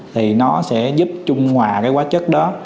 thì nó sẽ giúp trung hòa cái quá chất đó